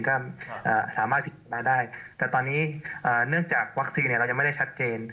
ก็สามารถผิดมาได้แต่ตอนนี้เนื่องจากวัคซีนเรายังไม่ได้ชัดเจน